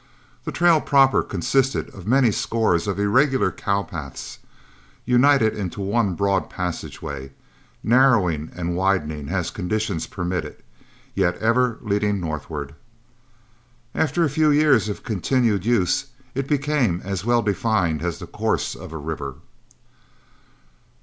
The trail proper consisted of many scores of irregular cow paths, united into one broad passageway, narrowing and widening as conditions permitted, yet ever leading northward. After a few years of continued use, it became as well defined as the course of a river.